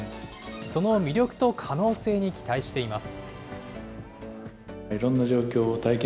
その魅力と可能性に期待しています。